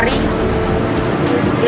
ya rasanya enak banget